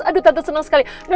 aduh tante seneng sekali